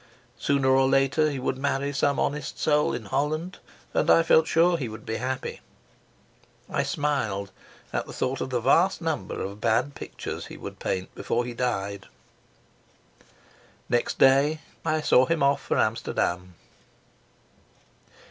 Sooner or later he would marry some honest soul in Holland, and I felt sure he would be happy. I smiled at the thought of the vast number of bad pictures he would paint before he died. Next day I saw him off for Amsterdam.